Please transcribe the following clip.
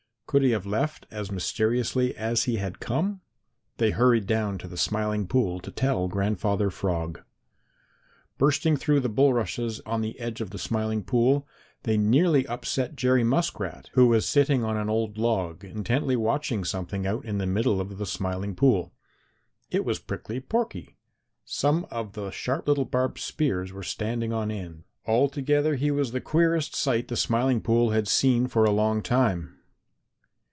Could he have left as mysteriously as he had come? They hurried down to the Smiling Pool to tell Grandfather Frog. Bursting through the bulrushes on the edge of the Smiling Pool, they nearly upset Jerry Muskrat, who was sitting on an old log intently watching something out in the middle of the Smiling Pool. It was Prickly Porky. Some of the sharp little barbed spears were standing on end; altogether he was the queerest sight the Smiling Pool had seen for a long time.